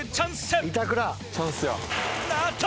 あっと！？